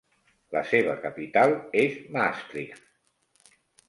La seva capital és Maastricht.